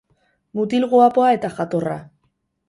Mutil guapoa eta jatorra.